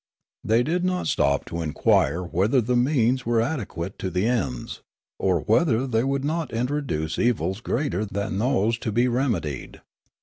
They did not stop to inquire whether the means were adequate to the ends, or whether tbey would not introduce evils greater than those to be remedied.